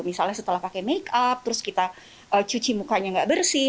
misalnya setelah pakai make up terus kita cuci mukanya nggak bersih